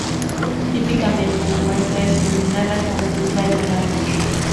Típicamente, una muestra es iluminada con un rayo láser.